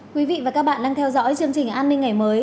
quý vị và các bạn đang theo dõi chương trình an ninh ngày mới